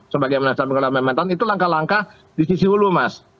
sebagai manasarabangkala pak mentan itu langkah langkah di sisi hulu mas